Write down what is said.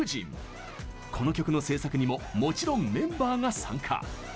この曲の制作にももちろんメンバーが参加。